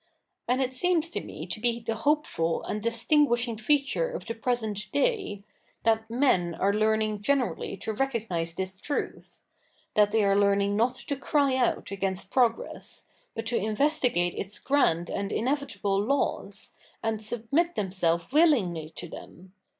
And it seems to me to be the hopeful and distinguishing feature of the present day, that men are learning generally to recognise this truth — that they are learning not to cry out against progress, but to investigate its grand and inevitable laws, and submit themselves willingly to them.